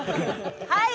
はい！